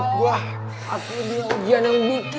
itu langsung kayak di pinta kayak gitu